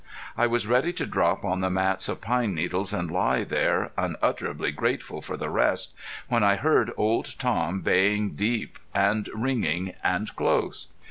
I was ready to drop on the mats of pine needles and lie there, unutterably grateful for rest, when I heard Old Tom baying, deep and ringing and close.